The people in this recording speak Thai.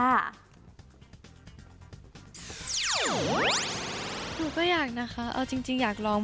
หนูก็อยากนะคะเอาจริงอยากลอง